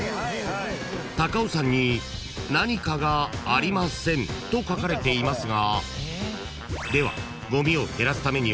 ［高尾山に何かがありませんと書かれていますが］